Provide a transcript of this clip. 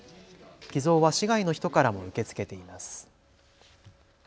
寄贈は市外の人からも受け付けています。